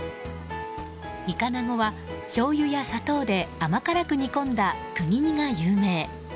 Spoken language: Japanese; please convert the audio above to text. イカナゴはしょうゆや砂糖で甘辛く煮込んだ、くぎ煮が有名。